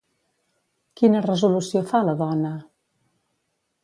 Quina resolució fa, la dona?